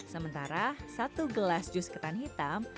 sementara satu gelas jus ketan hitam